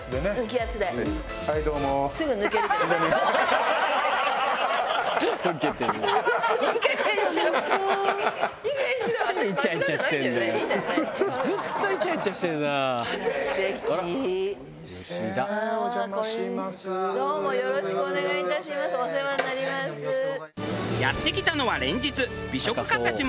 やって来たのは連日美食家たちも訪れる名店。